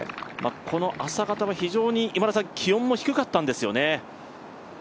この朝方は気温も低かったんですよね？